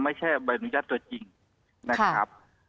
ไม่ใช่ใบอนุญาตตัวจริงนะครับ